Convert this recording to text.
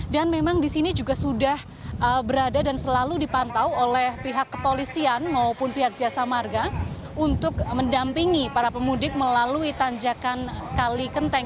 dan memang di sini juga sudah berada dan selalu dipantau oleh pihak kepolisian maupun pihak jasa marga untuk mendampingi para pemudik melalui tanjakan kalikenteng